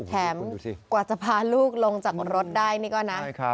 กว่าจะพาลูกลงจากรถได้นี่ก็นะ